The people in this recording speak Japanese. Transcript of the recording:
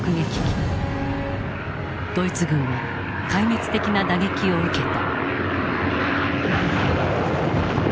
ドイツ軍は壊滅的な打撃を受けた。